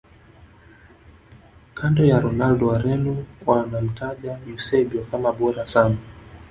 Kando ya Ronaldo wareno wanamtaja eusebio kama bora sana